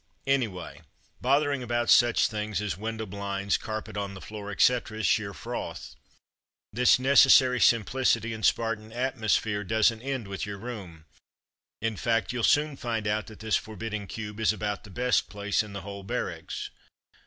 Anyway, bothering about such i8 From Mud to Mufti things as window blinds, carpet on the floor, etc., is sheer froth. This necessary sim pHcity and Spartan atmosphere doesn't end with your room. In fact you'll soon find out that this forbidding cube is about the best place in the whole barracks.